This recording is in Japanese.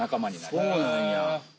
そうなんや。